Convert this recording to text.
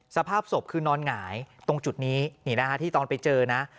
สภาพศพคือนอนหงายตรงจุดนี้นี่นะฮะที่ตอนไปเจอนะ